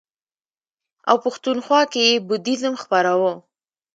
او پښتونخوا کې یې بودیزم خپراوه.